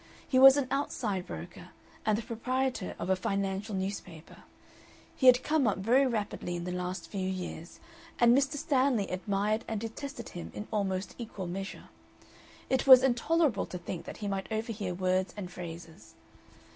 He was an outside broker and the proprietor of a financial newspaper; he had come up very rapidly in the last few years, and Mr. Stanley admired and detested him in almost equal measure. It was intolerable to think that he might overhear words and phrases.